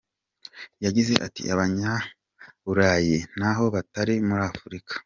Yagize ati “Abanyaburayi ntaho batari muri Afurika.